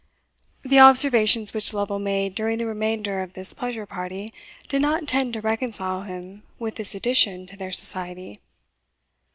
The observations which Lovel made during the remainder of this pleasure party did not tend to reconcile him with this addition to their society.